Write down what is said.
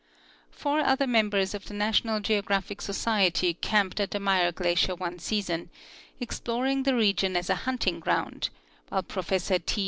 Four other members of the National Geographic Society camped at the Muir glacier one season, exploring the region as a huntiug ground, while Professor T.